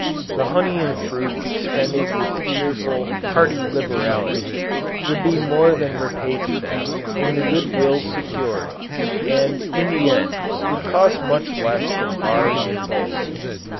The honey and fruit expended with a cheerful, hearty liberality, would be more than repaid to them in the good will secured, and in the end would cost much less than bars and bolts.